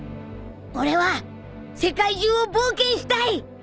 俺は世界中を冒険したい！